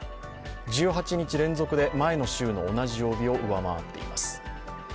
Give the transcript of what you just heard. １８日連続で前の週の同じ曜日を上回っています。